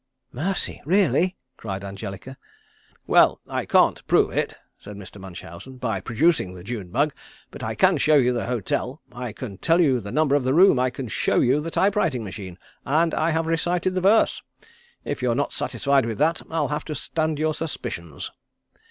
'" "Mercy! Really?" cried Angelica. "Well I can't prove it," said Mr. Munchausen, "by producing the June bug, but I can show you the hotel, I can tell you the number of the room; I can show you the type writing machine, and I have recited the verse. If you're not satisfied with that I'll have to stand your suspicions."